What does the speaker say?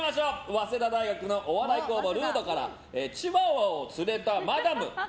早稲田大学のお笑い工房ＬＵＤＯからチワワを連れたマダム。